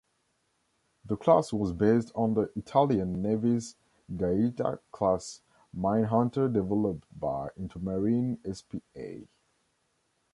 The class was based on the Italian Navy's "Gaeta"-class minehunter developed by Intermarine SpA.